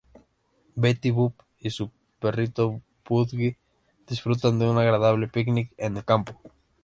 Betty Boop y su perrito Pudgy disfrutan de un agradable picnic en el campo.